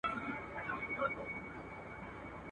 یادونه دي پر سترګو مېلمانه سي رخصتیږي.